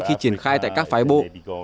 khi triển khai tại các phái bộ